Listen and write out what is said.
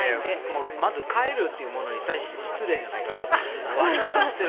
まずカエルというものに対して失礼じゃないかなと思うんですけど。